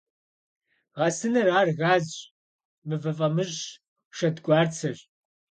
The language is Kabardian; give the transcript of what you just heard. Гъэсыныр — ар газщ, мывэ фӀамыщӀщ, шэдгуарцэщ.